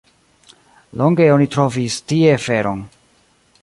Longe oni trovis tie feron.